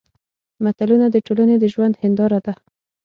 متلونه د ټولنې د ژوند هېنداره ده